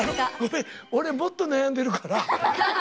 俺もっと悩んでるから。